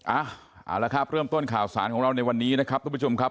เอาละครับเริ่มต้นข่าวสารของเราในวันนี้นะครับทุกผู้ชมครับ